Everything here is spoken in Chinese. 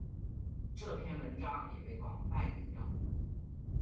这篇文章也被广泛引用。